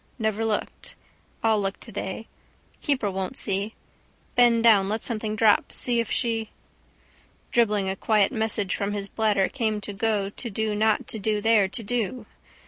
Never looked. I'll look today. Keeper won't see. Bend down let something fall see if she. Dribbling a quiet message from his bladder came to go to do not to do there to do.